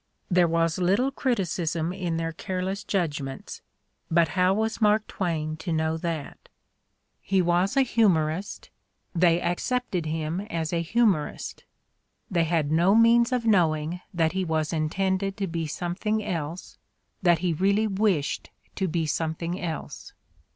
There was little criticism in their careless judg ments, but how was Mark Twain to know that ? He was a humorist, they accepted him as a humorist; they had no means of knowing that he was intended to be some thing else, that he really wished to be something else.